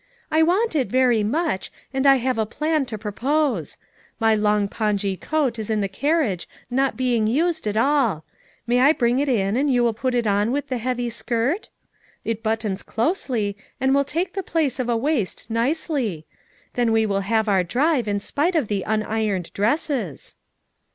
"I want it very much, and I have a plan to propose. My long pongee coat is in the carriage not being xised 160 FOUR MOTHERS AT CHAUTAUQUA at all May I bring it in and will you put it on with the heavy skirt? it buttons closely and will take the place of a waist nicely; then we will have our drive in spite of the un ironed dresses."